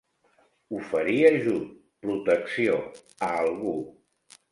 Oferir ajut, protecció, a algú.